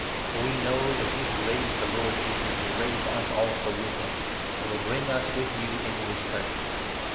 For we know that he 14 who raised the Lord Jesus will raise us also with him, and will bring us, with you, into his presence.